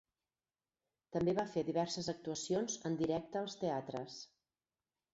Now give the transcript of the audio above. També va fer diverses actuacions en directe als teatres.